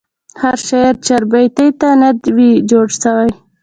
هر شاعر چاربیتې ته نه وي جوړسوی.